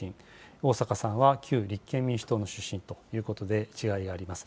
逢坂さんは旧立憲民主党の出身ということで、違いがあります。